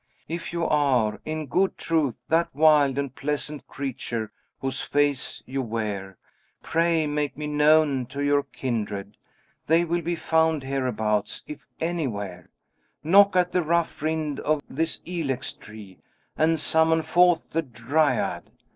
"If you are, in good truth, that wild and pleasant creature whose face you wear, pray make me known to your kindred. They will be found hereabouts, if anywhere. Knock at the rough rind of this ilex tree, and summon forth the Dryad!